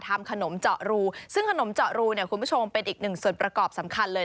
ทำขนมเจาะรูซึ่งขนมเจาะรูเนี่ยคุณผู้ชมเป็นอีกหนึ่งส่วนประกอบสำคัญเลย